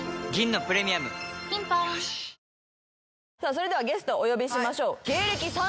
それではゲストお呼びしましょう。